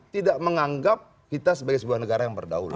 tidak menganggap kita sebagai sebuah negara yang berdaulat